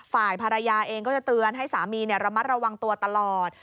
ฝ่ายภรรยาเองก็จะเตือนให้สามีระมัดระวังตัวตลอด